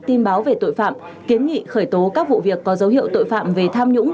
tin báo về tội phạm kiến nghị khởi tố các vụ việc có dấu hiệu tội phạm về tham nhũng